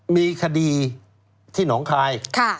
มีคดีที่หนองคาย